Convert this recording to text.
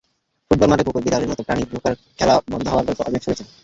Football মাঠে কুকুর-বিড়ালের মতো প্রাণী ঢোকায় খেলা বন্ধ হওয়ার গল্প অনেক শুনেছেন।